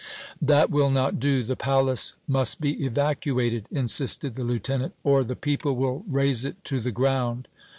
"That will not do! The palace must be evacuated," insisted the Lieutenant, "or the people will raze it to the ground!"